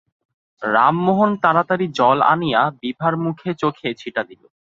রামমোহন তাড়াতাড়ি জল আনিয়া বিভার মুখে চোখে ছিটা দিল।